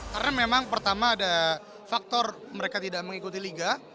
karena memang pertama ada faktor mereka tidak mengikuti liga